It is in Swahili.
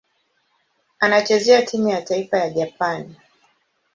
Anachezea timu ya taifa ya Japani.